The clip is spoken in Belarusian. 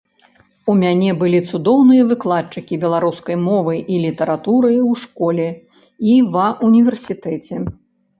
У мяне былі цудоўныя выкладчыкі беларускай мовы і літаратуры ў школе і ва ўніверсітэце.